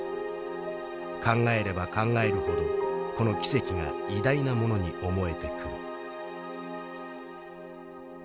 考えれば考えるほどこの奇跡が偉大なものに思えてくる」。